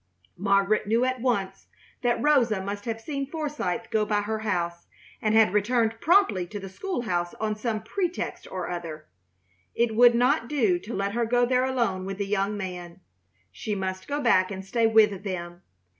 Margaret knew at once that Rosa must have seen Forsythe go by her house, and had returned promptly to the school house on some pretext or other. It would not do to let her go there alone with the young man; she must go back and stay with them.